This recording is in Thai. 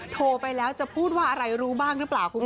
โทรไปแล้วจะพูดว่าอะไรรู้บ้างหรือเปล่าคุณผู้ชม